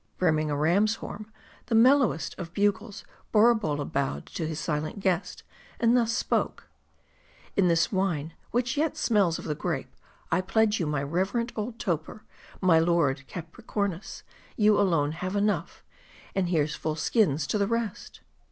336 M A R D I. Brimming a ram's horn, the mellowest of bugles, Bora bolla bowed to his silent guest, and thus spoke "In this wine, which yet smells of the grape, I pledge you my rever end old toper, my lord Capricornus ; you alone have enough ; and here's full skins to the rest